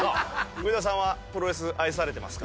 上田さんはプロレス愛されてますか？